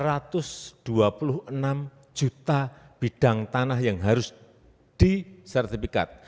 ada dua puluh enam juta bidang tanah yang harus disertifikat